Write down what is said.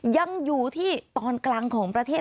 ยังอยู่ที่ตอนกลางของประเทศ